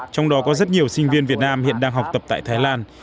trong đó có rất nhiều sinh viên việt nam hiện đang học tập tại thái lan